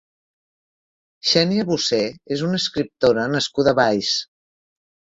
Xènia Bussé és una escriptora nascuda a Valls.